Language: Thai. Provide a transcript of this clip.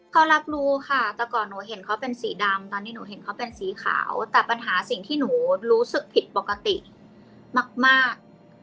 เขารับรู้ค่ะแต่ก่อนหนูเห็นเขาเป็นสีดำตอนนี้หนูเห็นเขาเป็นสีขาวแต่ปัญหาสิ่งที่หนูรู้สึกผิดปกติมาก